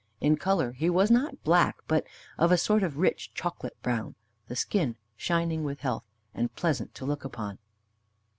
In color he was not black, but of a sort of rich chocolate brown, the skin shining with health, and pleasant to look upon.